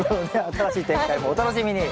新しい展開もお楽しみに。